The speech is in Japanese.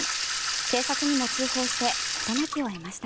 警察にも通報して事なきを得ました。